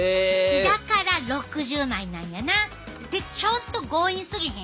だから６０枚なんやな。ってちょっと強引すぎひん？